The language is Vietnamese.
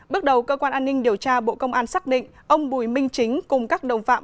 bước đầu cơ quan an ninh điều tra bộ công an xác định ông bùi minh chính cùng các đồng phạm